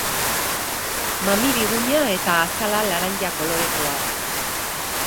Mami biguna eta azala laranja kolorekoa da.